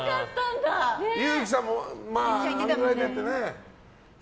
憂樹さんもあのぐらいでってね。